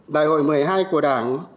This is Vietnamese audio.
đại hội một mươi hai của đảng